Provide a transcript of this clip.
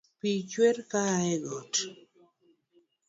Pi chwer koya e got